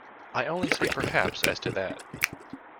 I only say perhaps as to that.